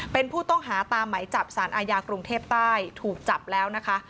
เป็นผู้ต้องหาตามไหมจับสารอาญากรุงเทพใต้ถูกจับแล้วนะคะ